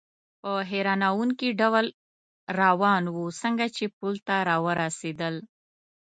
په حیرانوونکي ډول روان و، څنګه چې پل ته را ورسېدل.